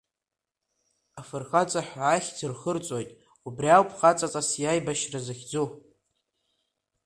Афырхаҵа ҳәа ахьӡ рхырҵоит, убри ауп хаҵаҵас, аибашьра захьӡу!